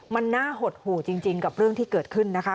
มันน่าหดหู่จริงกับเรื่องที่เกิดขึ้นนะคะ